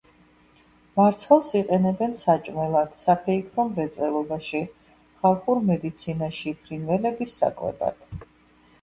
მარცვალს იყენებენ საჭმელად, საფეიქრო მრეწველობაში, ხალხურ მედიცინაში, ფრინველების საკვებად.